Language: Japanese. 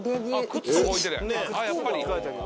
靴とか置いてるやん。